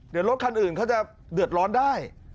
เดี๋ยวรถคันอื่นเขาจะเดือดร้อนได้